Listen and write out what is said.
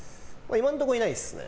今のところいないっすね。